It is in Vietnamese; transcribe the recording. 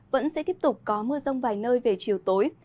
vẫn sẽ tiếp tục có mưa rông vài nơi về chiều tối